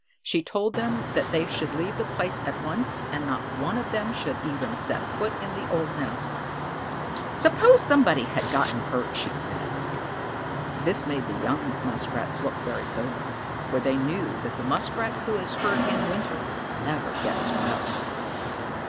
She told them that they should leave the place at once, and not one of them should even set foot in the old nest. "Suppose somebody had gotten hurt," she said. This made the young Muskrats look very sober, for they knew that the Muskrat who is hurt in winter never gets well.